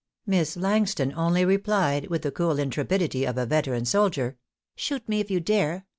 Miss Langston only replied, with the cool intrepidity of a veteran soldier: "Shoot me if you dare!